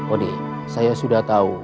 oni saya sudah tau